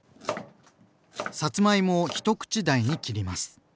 さつまいもを一口大に切ります。